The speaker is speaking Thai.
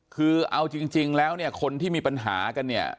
คือเอาจริงแล้วเนี่ยคนที่มีปัญหากันเนี่ย